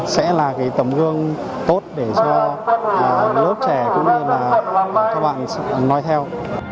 sẽ là cái tầm gương tốt để cho lớp trẻ cũng như là cho bạn nói theo